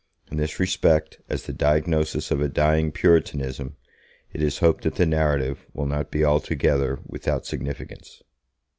In this respect, as the diagnosis of a dying Puritanism, it is hoped that the narrative will not be altogether without significance.